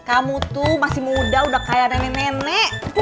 kamu tuh masih muda udah kayak nenek nenek